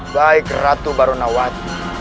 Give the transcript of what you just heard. baik ratu barunawat